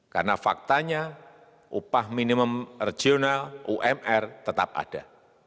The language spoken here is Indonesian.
karena faktanya upah minimum regional umr tetap ada